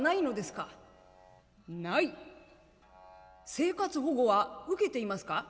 「生活保護は受けていますか」。